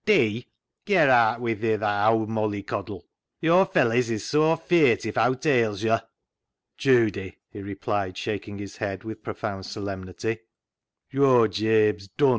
" Dee ? Ger aat wi' thi, tha owd molly coddle. Yo' felleys is so feart if owt ails yo'." " Judy," he replied, shaking his head with profound solemnity, " yo'r Jabe's dun."